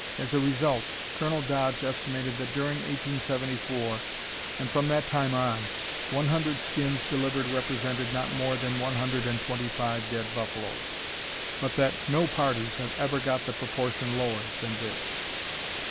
As a result, Colonel Dodge estimated that during 1874, and from that time on, one hundred skins delivered represented not more than one hundred and twenty five dead buffaloes; but that "no parties have ever got the proportion lower than this."